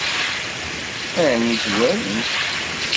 Ɛni zwarent-k?